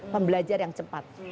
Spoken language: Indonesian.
pembelajar yang cepat